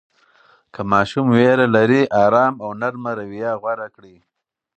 که ماشوم ویره لري، آرام او نرمه رویه غوره کړئ.